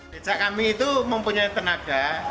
becak kami itu mempunyai tenaga